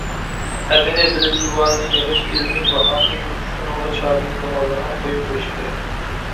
ھەددىنى بىلىپ زۇۋانىنى يىغىشى، ئىلمىي باھانى شۇنىڭغا چامى يېتىدىغانلارغا قويۇپ قويۇشى كېرەك.